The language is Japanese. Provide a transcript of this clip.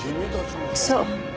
そう。